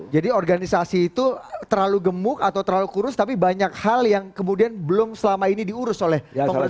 jadi organisasi itu terlalu gemuk atau terlalu kurus tapi banyak hal yang kemudian belum selama ini diurus oleh kongres mesej